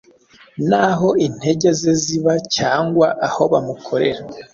n’aho intege ze ziba cyangwa aho bamukorera